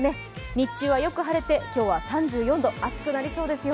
日中はよく晴れて今日は３４度暑くなりそうですよ。